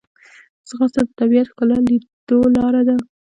ځغاسته د طبیعت ښکلا لیدو لاره ده